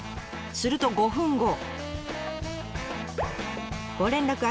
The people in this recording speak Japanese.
すると５分後。